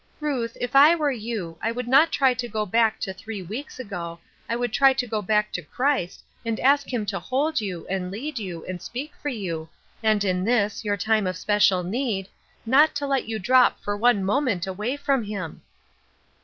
Ruth, if I were you, I would not try to go back to three weeks ago, I would try to go back to Chricit and ask him to hold you, and lead you, and speak for you, and in this, your time of special need, not to let you drop for one moment awaj^ from him."